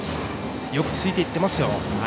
よくついていっていますよ。